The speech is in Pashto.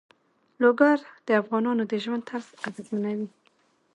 لوگر د افغانانو د ژوند طرز اغېزمنوي.